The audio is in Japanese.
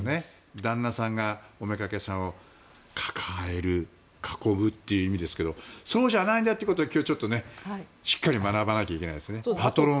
旦那さんがお妾さんを抱える、囲むっていう意味ですけどそうじゃないんだってことを今日はちょっとしっかり学ばなきゃいけないですね。